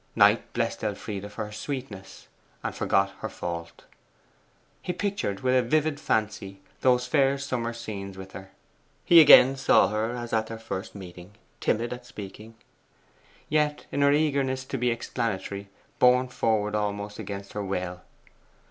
Knight blessed Elfride for her sweetness, and forgot her fault. He pictured with a vivid fancy those fair summer scenes with her. He again saw her as at their first meeting, timid at speaking, yet in her eagerness to be explanatory borne forward almost against her will.